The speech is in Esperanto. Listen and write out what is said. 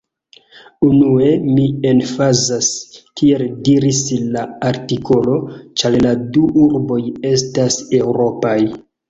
Unue, mi emfazas, kiel diris la artikolo, ĉar la du urboj estas eŭropaj.